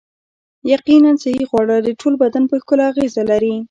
یقیناً صحي خواړه د ټول بدن په ښکلا اغیزه لري